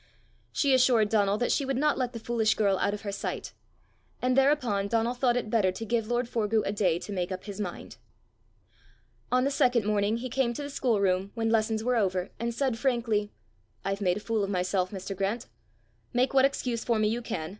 She assured Donal that she would not let the foolish girl out of her sight; and thereupon Donal thought it better to give lord Forgue a day to make up his mind. On the second morning he came to the schoolroom when lessons were over, and said frankly, "I've made a fool of myself, Mr. Grant! Make what excuse for me you can.